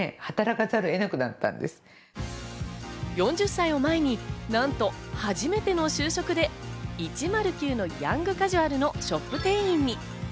４０歳を前になんと、初めての就職で１０９のヤングカジュアルのショップ店員に。